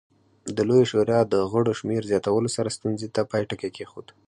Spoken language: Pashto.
د لویې شورا د غړو شمېر زیاتولو سره ستونزې ته پای ټکی کېښود